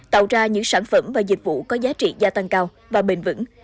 tạo ra những sản phẩm và dịch vụ có giá trị gia tăng cao và bền vững